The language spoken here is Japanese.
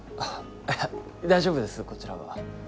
いや大丈夫ですこちらは。